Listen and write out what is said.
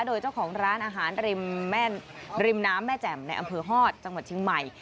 โดยเจ้าของร้านอาหารริมแม่ริมน้ำแม่แจ่มในอำเภอฮอตจังหวัดเชียงใหม่